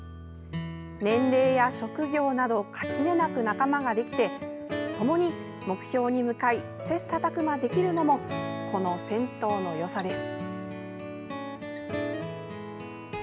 年齢や職業など垣根なく仲間ができてともに目標に向かい切さたく磨できるのもこの銭湯のよさです。